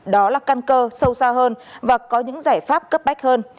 đó là căn cơ sâu xa hơn và có những giải pháp cấp bách hơn